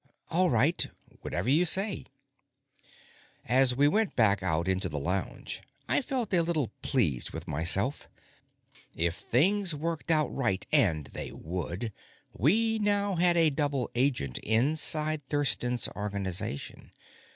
"All right. Whatever you say." As we went back out into the lounge, I felt a little pleased with myself. If things worked out right and they would we now had a double agent inside Thurston's organization.